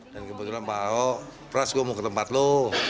dan kebetulan pak aok pras gue mau ke tempat lo